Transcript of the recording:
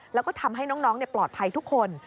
แล้วก็ทำให้น้องปลอดภัยทุกคน